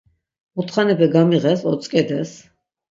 Mutxanepe gamiğes odzǩedes.